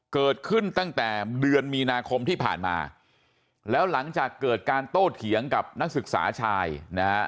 เกิดขึ้นตั้งแต่เดือนมีนาคมที่ผ่านมาแล้วหลังจากเกิดการโต้เถียงกับนักศึกษาชายนะฮะ